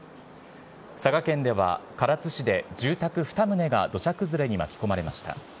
佐賀県では唐津市で住宅２棟が土砂崩れに巻き込まれました。